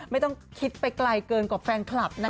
ไม่ต้องคิดไปไกลเกินกว่าแฟนคลับนะ